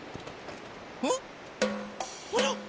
うん？あら？